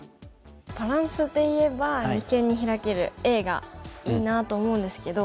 バランスで言えば二間にヒラけるＡがいいなと思うんですけど。